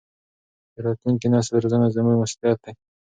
د راتلونکي نسل روزنه زموږ مسؤلیت دی.